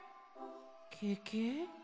ケケ？